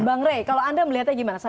bang rey kalau anda melihatnya gimana